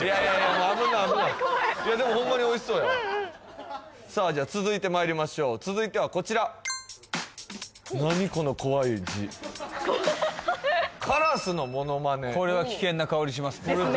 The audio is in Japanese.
もう危ない危ない怖い怖いいやでもホンマにおいしそうやわさあじゃあ続いてまいりましょう続いてはこちら何この怖い字これは危険な香りしますねですね